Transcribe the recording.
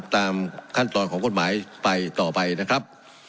ตามขั้นตอนของกฎหมายไปต่อไปนะครับ